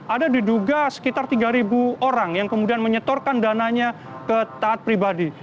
ada diduga sekitar tiga orang yang kemudian menyetorkan dananya ke taat pribadi